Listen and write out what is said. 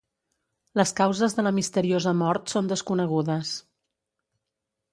Les causes de la misteriosa mort són desconegudes.